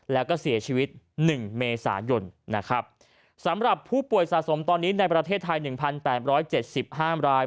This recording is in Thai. แล้วก็เสียชีวิต๑เมษายนนะครับสำหรับผู้ป่วยสะสมตอนนี้ในประเทศไทย๑๘๗๕ราย